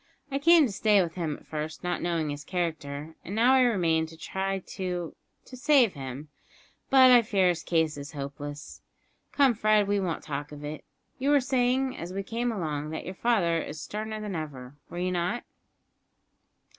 I came to stay with him at first, not knowing his character, and now I remain to try to to save him; but I fear his case is hopeless. Come, Fred, we won't talk of it. You were saying, as we came along, that your father is sterner than ever, were you not?"